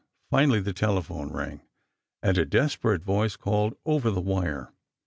Finally the telephone rang and a desperate voice called over the wire.